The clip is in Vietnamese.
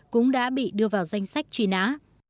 cũng đã bị đưa vào danh sách truy nã